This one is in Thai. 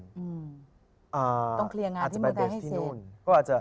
ต้องเคลียร์งานที่เมืองไทยให้เหรอ